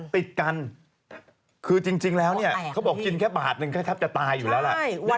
ติดกันคือจริงแล้วเนี่ยเขาบอกกินแค่บาทหนึ่งก็แทบจะตายอยู่แล้วล่ะ